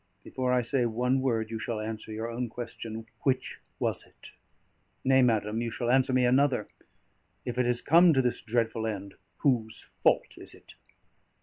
Before I say one word, you shall answer your own question: Which was it? Nay, madam, you shall answer me another: If it has come to this dreadful end, whose fault is it?"